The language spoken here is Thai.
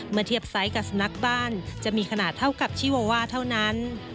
เมื่อเทียบไซส์กับสุนัขบ้านจะมีขนาดเท่ากับชีโวว่าเท่านั้น